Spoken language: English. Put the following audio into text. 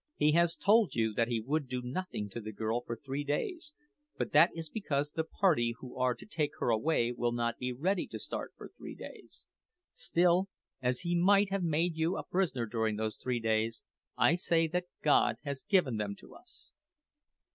He has told you that he would do nothing to the girl for three days, but that is because the party who are to take her away will not be ready to start for three days. Still, as he might have made you a prisoner during those three days, I say that God has given them to us."